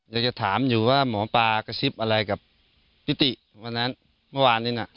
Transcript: อยากจะถามอยู่ว่าหมอปลากระซิบอะไรกับพี่ติวันนั้นเมื่อวานนี้น่ะ